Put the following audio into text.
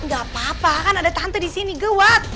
gak apa apa kan ada tante di sini gewat